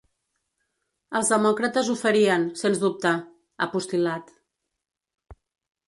“Els demòcrates ho farien, sens dubte”, ha postil·lat.